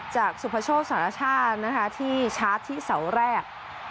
สุพโชคสารชาตินะคะที่ชาร์จที่เสาแรก